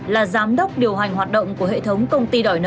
là giám đốc điều hành hoạt động của hệ thống công ty đòi nợ